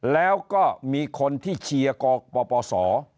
แล้วก็มีคนที่เชียร์กปปศ